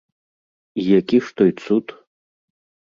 І які ж той цуд?